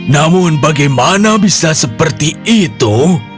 namun bagaimana bisa seperti itu